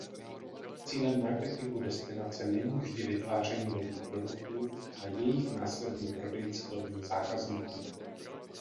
Cílem marketingu destinace není vždy vytváření nových produktů a jejich následný prodej cílovým zákazníkům.